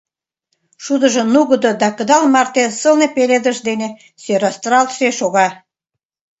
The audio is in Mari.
Шудыжо нугыдо да кыдал марте, сылне пеледыш дене сӧрастаралтше шога.